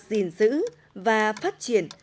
gìn giữ và phát triển